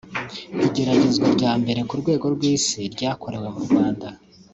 igeragezwa rya mbere ku rwego rw’isi ryakorewe mu Rwanda